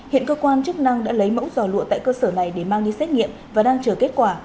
hiện cơ quan chức năng đã lấy mẫu giò lụa tại cơ sở này để mang đi xét nghiệm và đang chờ kết quả